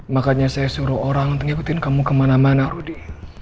makanya saya suruh orang untuk ngikutin kamu kemana mana rudy